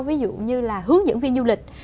ví dụ như là hướng dẫn viên du lịch